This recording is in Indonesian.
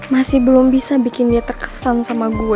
masih belum bisa bikin dia terkesan sama gue